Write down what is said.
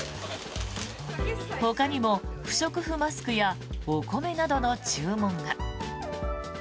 ほかにも不織布マスクやお米などの注文が。